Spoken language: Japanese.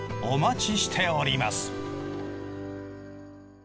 お待ちしております！